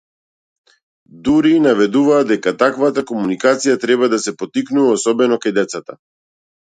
Дури и наведува дека таквата комуникација треба да се поттикнува, особено кај децата.